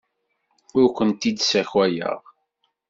Ur kent-id-ssakayeɣ.